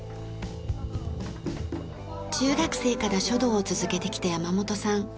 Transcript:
中学生から書道を続けてきた山本さん。